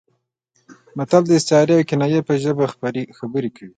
متل د استعارې او کنایې په ژبه خبرې کوي